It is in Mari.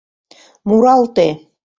— Муралте!..